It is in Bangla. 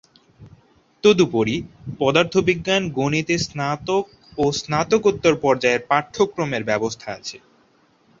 তদুপরি, পদার্থ বিজ্ঞান, গণিত-এর স্নাতক ও স্নাতকোত্তর পর্যায়ের পাঠ্যক্রমের ব্যবস্থা আছে।